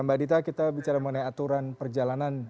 mbak adhita kita bicara mengenai alasan